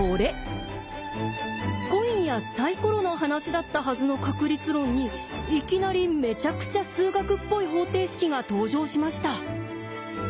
コインやサイコロの話だったはずの確率論にいきなりめちゃくちゃ数学っぽい方程式が登場しました。